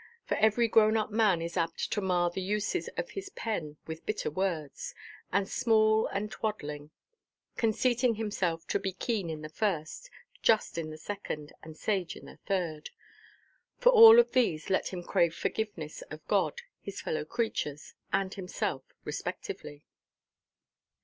For every grown–up man is apt to mar the uses of his pen with bitter words, and small, and twaddling; conceiting himself to be keen in the first, just in the second, and sage in the third. For all of these let him crave forgiveness of God, his fellow–creatures, and himself, respectively.